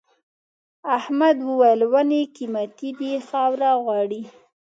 احمد وويل: ونې قيمتي دي خاوره غواړي.